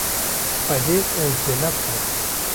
- Xwedê ez celat kirim.